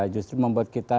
justru membuat kita